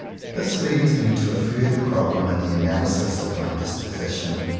This leads me to a further problem in the analysis of my disposition.